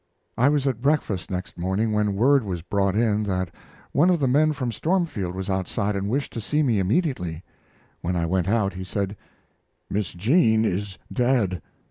I was at breakfast next morning when word was brought in that one of the men from Stormfield was outside and wished to see me immediately. When I went out he said: "Miss Jean is dead.